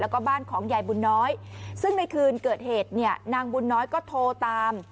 แล้วก็บ้านของยายบุญน้อยซึ่งในคืนเกิดเหตุเนี่ยนางบุญน้อยก็โทรตาม